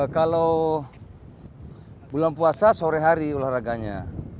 kalau bulan puasa sore hari olahraganya